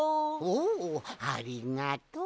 おおありがとう！